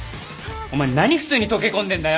お前何普通に溶け込んでんだよ！